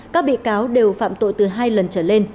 các bị cáo đều phạm tội từ hai lần trở lên